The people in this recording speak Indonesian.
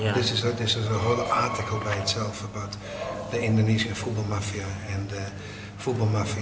ini adalah artikel yang berbicara tentang mafia fubo indonesia dan mafia fubo di dunia